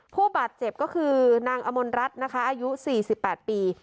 ผู้บาดเจ็บก็คือนางอมลรัฐนะคะอายุ๔๘ปี